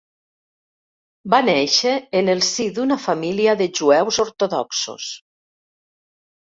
Va néixer en el si d'una família de jueus ortodoxos.